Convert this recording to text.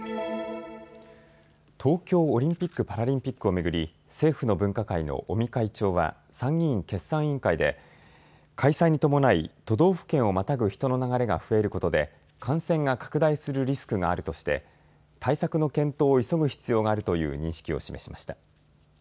東京オリンピック・パラリンピックを巡り政府の分科会の尾身会長は参議院決算委員会で開催に伴い都道府県をまたぐ人の流れが増えることで感染が拡大するリスクがあるとして対策の検討を急ぐ必要があるという認識を示しました。